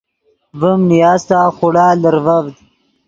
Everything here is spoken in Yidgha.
ڤیم نیاستا خوڑا لرڤڤد